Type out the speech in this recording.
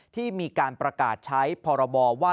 ที่มีการประกาศใช้พรบว่า